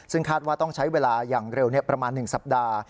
ซึ่งคาดว่าต้องใช้เวลาอย่างเร็วประมาณ๑สัปดาห์